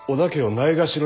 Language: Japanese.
ないがしろ？